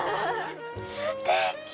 すてき！